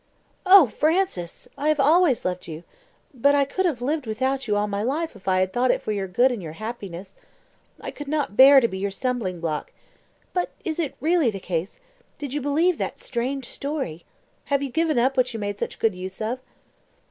"Oh, Francis, I have always loved you! but I could have lived without you all my life if I had thought it for your good and your happiness. I could not bear to be your stumbling block. But is it really the case? did you believe that strange story? have you given up what you made such good use of?"